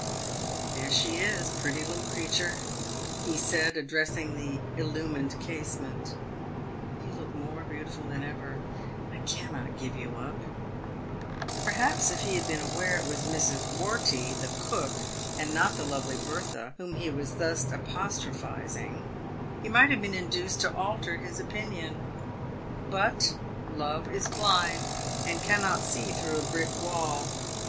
" There she is, pretty little creature !" he said, addressing the illu mined casement. " You look more beautiful than ever ! I cannot give you up !" Perhaps if he had been aware it was Mrs. Wortey, the cook, and not the lovely Bertha, whom he was thus apostrophising, he might have been induced to alter his opinion. But love is blind, and cannot see through a brick wall.